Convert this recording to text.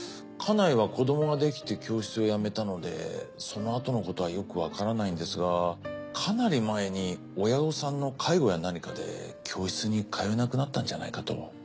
家内は子どもができて教室をやめたのでそのあとのことはよくわからないんですがかなり前に親御さんの介護や何かで教室に通えなくなったんじゃないかと。